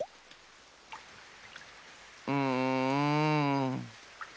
うん。